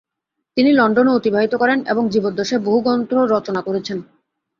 তিনি লণ্ডনে অতিবাহিত করেন এবং জীবদ্দশায় বহু গ্রন্থ রচনা করেছেন।